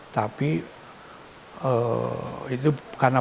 tapi itu karena bahan bakunya itu terlalu banyak